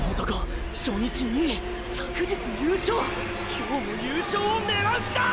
今日も優勝狙う気だ！！